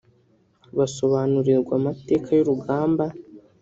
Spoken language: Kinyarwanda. basobanurirwa amateka y’urugamba